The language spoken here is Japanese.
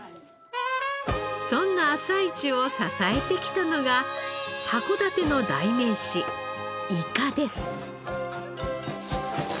そんな朝市を支えてきたのが函館の代名詞イカです。